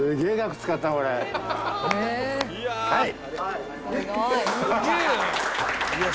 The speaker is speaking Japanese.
はい！